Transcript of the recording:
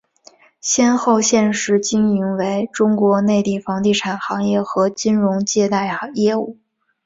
其后现时经营为中国内地房地产行业和金融借贷业务。